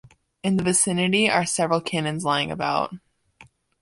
In the vicinity are several cannons lying about.